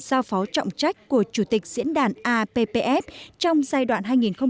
và phó trọng trách của chủ tịch diễn đàn appf trong giai đoạn hai nghìn một mươi bảy hai nghìn một mươi tám